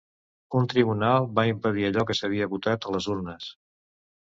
Un tribunal va impedir allò que s’havia votat a les urnes.